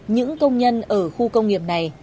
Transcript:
những công nhân ở khu công nghiệp này